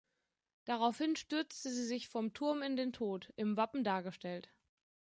Daraufhin stürzte sie sich vom Turm in den Tod, im Wappen dargestellt.